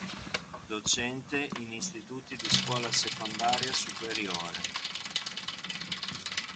Docente in Istituti di scuola secondaria superiore.